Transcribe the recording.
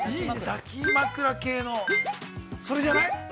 抱き枕系のそれじゃない？